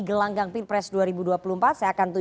selamat malam mas hanta